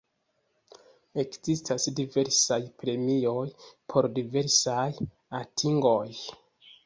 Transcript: Ekzistas diversaj premioj por diversaj atingoj.